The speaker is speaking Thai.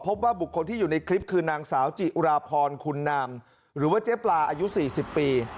พบว่าบุคคลที่อยู่ในคลิปคือนางสาวจิราพรคุณนามหรือว่าเจ๊ปลาอายุ๔๐ปี